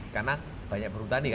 karena banyak buru tani kan